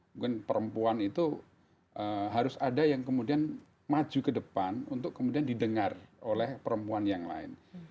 mungkin perempuan itu harus ada yang kemudian maju ke depan untuk kemudian didengar oleh perempuan yang lain